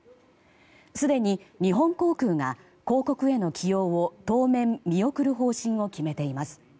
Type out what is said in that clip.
すでに日本航空が広告への起用を当面、見送る方針を決めています。